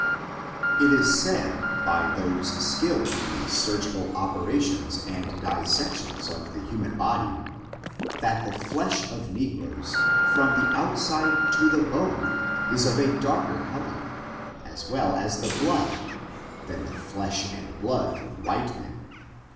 It is said, by those skilled in surgical operations and dissections of the human body, that the flesh of negroes, from the outside to the bone, is of a darker color, as well as the blood, than the flesh and blood of white men.